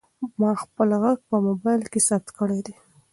ما خپل غږ په موبایل کې ثبت کړی دی.